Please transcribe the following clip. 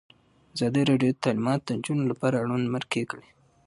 ازادي راډیو د تعلیمات د نجونو لپاره اړوند مرکې کړي.